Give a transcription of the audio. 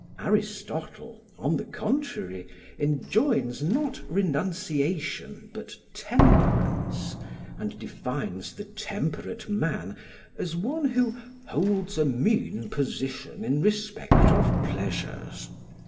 Aristotle, on the contrary, enjoins not renunciation but temperance; and defines the temperate man as one who "holds a mean position in respect of pleasures.